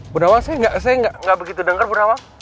bu nawang saya gak begitu denger bu nawang